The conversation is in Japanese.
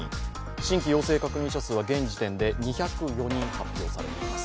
新規陽性確認者数は現時点で２０４人、発表されています。